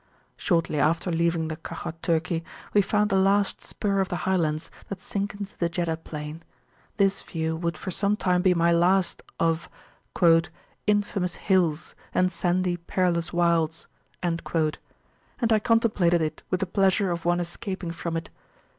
Shortly after leaving the Kahwat Turki we found the last spur of the highlands that sink into the Jeddah Plain. This view would for some time be my last of Infamous hills, and sandy, perilous wilds; and I contemplated it with the pleasure of one escaping from it.